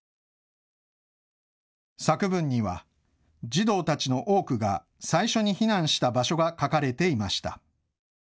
作文には児童たちの多くが最初に避難した場所が書かれていました。